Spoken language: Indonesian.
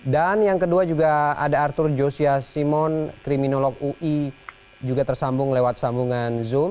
yang kedua juga ada arthur josya simon kriminolog ui juga tersambung lewat sambungan zoom